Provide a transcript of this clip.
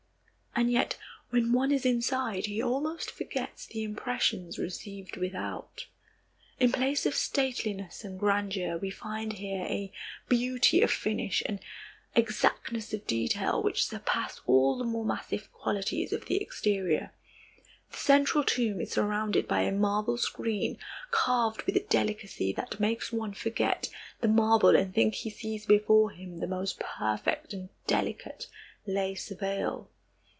And yet, when one is inside, he almost forgets the impressions received without. In place of stateliness and grandeur, we find here a beauty of finish and exactness of detail which surpass all the more massive qualities of the exterior. The central tomb is surrounded by a marble screen carved with a delicacy that makes one forget the marble and think he sees before him the most perfect and delicate lace veil.